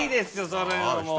そういうのもう。